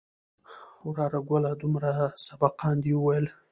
وراره گله دومره سبقان دې وويل.